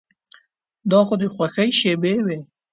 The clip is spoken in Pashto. دا د خوښیو شېبې وې.